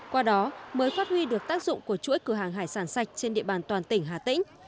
qua đó mới phát huy được tác dụng của chuỗi cửa hàng hải sản sạch trên địa bàn toàn tỉnh hà tĩnh